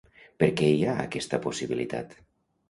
Per què hi ha aquesta possibilitat?